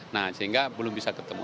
nah sehingga belum bisa ketemu